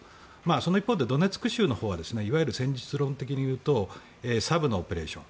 その一方で、ドネツク州のほうはいわゆる戦術論的に言うとサブのオペレーション。